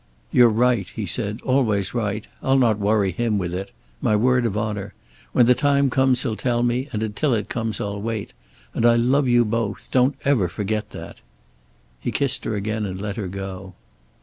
"You're right," he said. "Always right. I'll not worry him with it. My word of honor. When the time comes he'll tell me, and until it comes, I'll wait. And I love you both. Don't ever forget that." He kissed her again and let her go.